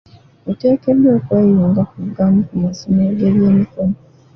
Oteekeddwa okweyunga ku gamu ku masomero g'ebyemikono.